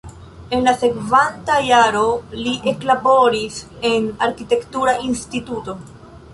En la sekvanta jaro li eklaboris en arkitektura instituto.